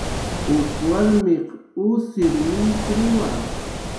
"K""uw warmiq p'uchquta millkiriwa "